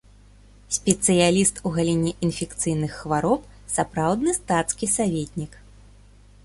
Спецыяліст у галіне інфекцыйных хвароб, сапраўдны стацкі саветнік.